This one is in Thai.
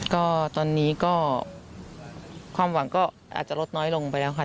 ก็ตอนนี้ก็ความหวังก็อาจจะลดน้อยลงไปแล้วค่ะ